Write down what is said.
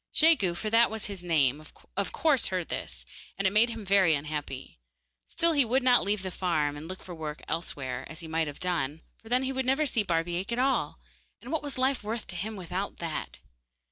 Jegu, for that was his name, of course heard of this, and it made him very unhappy. Still he would not leave the farm, and look for work elsewhere, as he might have done, for then he would never see Barbaik at all, and what was life worth to him without that?